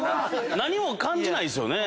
何も感じないですよね。